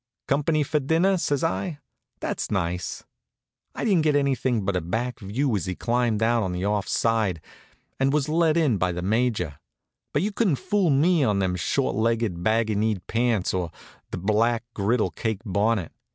"Company for dinner," says I. "That's nice." I didn't get anything but a back view as he climbed out on the off side and was led in by the Major; but you couldn't fool me on them short legged, baggy kneed pants, or that black griddle cake bonnet.